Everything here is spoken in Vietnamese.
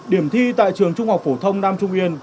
điểm thi tại trường trung học phổ thông nam trung yên